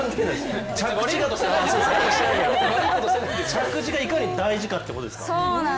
着地がいかに大事かということですか？